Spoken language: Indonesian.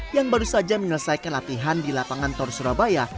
yang baru saja menyelesaikan latihan di lapangan tor surabaya